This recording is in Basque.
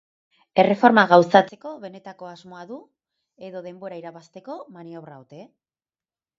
Erreforma gauzatzeko benetako asmoa du, edo denbora irabazteko maniobra ote?